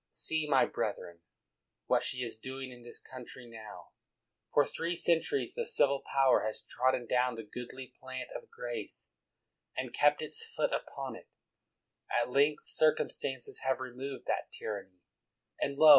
See, my brethren, what she is doing in this country now: for three cen turies the civil power has trodden down the goodly plant of grace, and kept its foot upon it ; at length circumstances have removed that tyr anny, and lo!